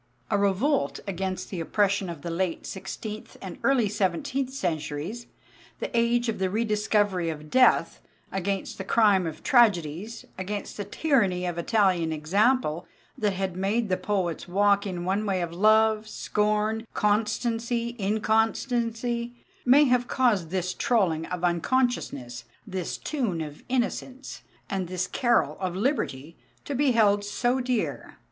A revolt against the oppression of the late sixteenth and early seventeenth centuries the age of the re discovery of death; against the crime of tragedies; against the tyranny of Italian example that had made the poets walk in one way of love, scorn, constancy, inconstancy may have caused this trolling of unconsciousness, this tune of innocence, and this carol of liberty, to be held so dear.